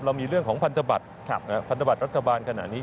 เรามีเรื่องของพันธบัตรพันธบัตรรัฐบาลขนาดนี้